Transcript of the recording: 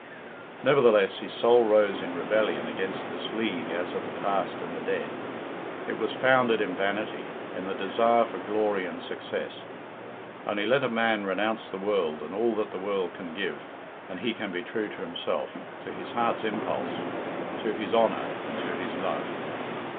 Nevertheless his soul rose in rebellion against this league as of the past and the dead. It was founded in vanity, in the desire for glory and success. Only let a man renounce the world and all that the world can give, and he can be true to himself, to his heart's impulse, to his honour, and to his love.